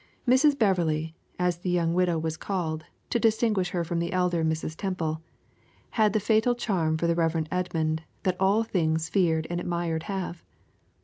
Mrs. Beverley, as the young widow was called, to distinguish her from the elder Mrs. Temple, had the fatal charm for the Rev. Edmund that all things feared and admired have.